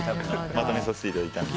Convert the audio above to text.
まとめさせていただいた。